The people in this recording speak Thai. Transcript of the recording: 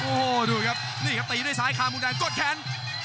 โอ้โหดูครับนี่ครับตีด้วยซ้ายคามุมแดงกดแขน